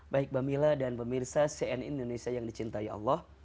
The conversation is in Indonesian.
baik bhamila dan pemirsa cn indonesia yang dicintai allah